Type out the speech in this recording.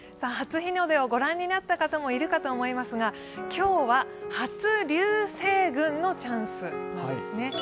初日の出を御覧になった方もいるかと思いますが今日は初流星群のチャンスなんですね。